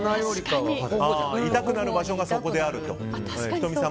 痛くなる場所がそこであると。